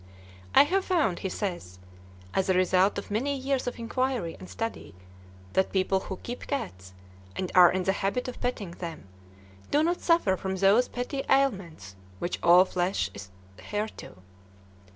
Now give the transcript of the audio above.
"I have found," he says, "as a result of many years of inquiry and study, that people who keep cats and are in the habit of petting them, do not suffer from those petty ailments which all flesh is heir to.